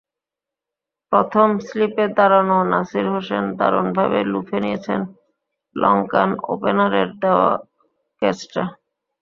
প্রথম স্লিপে দাঁড়ানো নাসির হোসেন দারুণভাবে লুফে নিয়েছেন লঙ্কান ওপেনারের দেওয়া ক্যাচটা।